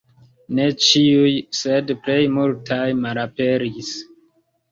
Ne ĉiuj, sed plej multaj malaperis.